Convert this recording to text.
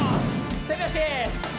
手拍子！